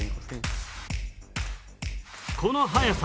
この速さ